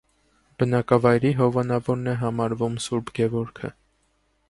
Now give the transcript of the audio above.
Բնակավայրի հովանավորն է համարվում սուրբ Գևորգը։